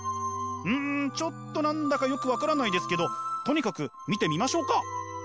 うんちょっと何だかよく分からないですけどとにかく見てみましょうか。